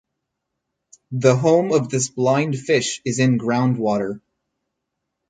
The home of this blind fish is in groundwater.